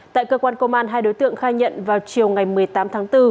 tại cơ quan công an hai đối tượng khai nhận vào chiều ngày một mươi tám tháng bốn